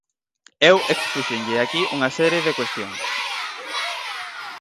Eu expúxenlle aquí unha serie de cuestións.